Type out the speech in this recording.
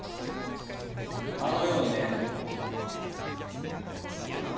あのようにね。